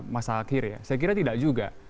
masa akhir ya saya kira tidak juga